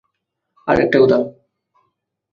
আর একটা কথা।